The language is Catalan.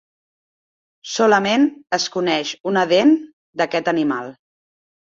Solament es coneix una dent d'aquest animal.